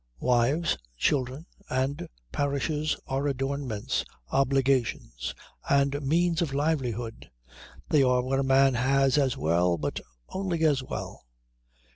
Wives, children, and parishes are adornments, obligations, and means of livelihood. They are what a man has as well, but only as well.